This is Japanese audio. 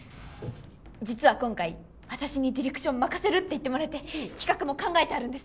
実は今回私にディレクション任せるって言ってもらえて企画も考えてあるんです。